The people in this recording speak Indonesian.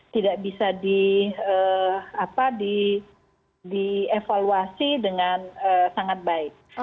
tidak bisa dievaluasi dengan sangat baik